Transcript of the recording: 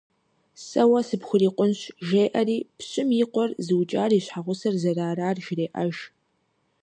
Сэ уэ сыпхурикъунщ жеӀэри, пщым и къуэр зыукӀар и щхьэгъусэр зэрыарар жреӀэж.